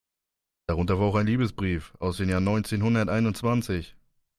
Darunter war auch ein Liebesbrief aus dem Jahr neunzehnhunderteinundzwanzig.